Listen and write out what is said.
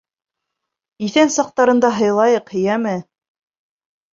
Иҫән саҡтарында һыйлайыҡ, йәме.